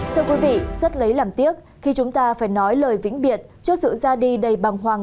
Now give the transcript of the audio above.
thưa quý vị rất lấy làm tiếc khi chúng ta phải nói lời vĩnh biệt trước sự ra đi đầy bằng hoàng